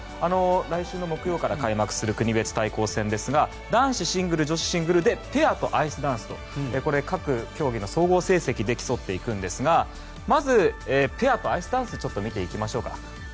来週の木曜から開幕する国別対抗戦ですが男子シングル、女子シングルでペアとアイスダンスとこれ、各競技の総合成績で競っていくんですがまず、ペアとアイスダンスをちょっと見ていきましょうか。